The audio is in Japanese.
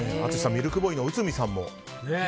ミルクボーイの内海さんも。